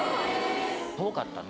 遠かったね。